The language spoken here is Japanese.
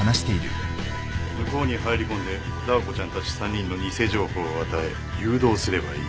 向こうに入り込んでダー子ちゃんたち３人の偽情報を与え誘導すればいいんだな？